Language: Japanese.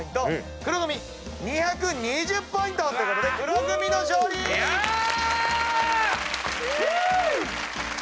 黒組２２０ポイントということで黒組の勝利！よ！